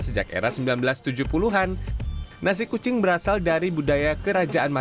terdiri dari negara negaraffentlich kim menteri bahkan terima kasih dari kiwi ok bahwa